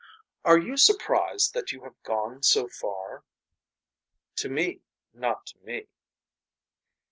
Are you surprised that you have gone so far. To me not to me.